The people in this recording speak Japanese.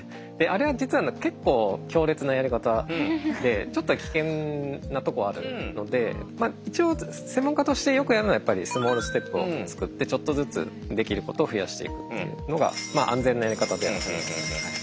あれは実は結構強烈なやり方でちょっと危険なとこあるのでまあ一応専門家としてよくやるのはやっぱりスモールステップを作ってちょっとずつできることを増やしていくっていうのが安全なやり方ではあります。